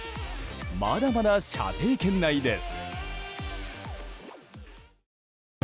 まだまだ射程圏内です。